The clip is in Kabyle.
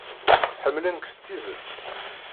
Ḥemmlen-k s tidet.